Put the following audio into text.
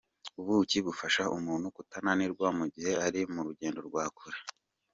Ubuki bufasha umuntu kutananirwa mu gihe ari mu rugendo rwa kure.